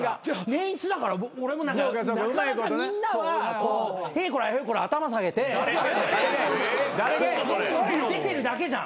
年１だからなかなかみんなはへこらへこら頭下げて出てるだけじゃん。